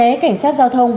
né cảnh sát giao thông